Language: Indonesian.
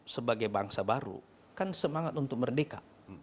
sebagai bangsa baru kan semangat untuk merdeka